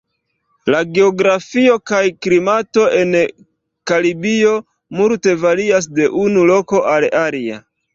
La geografio kaj klimato en Karibio multe varias de unu loko al alia.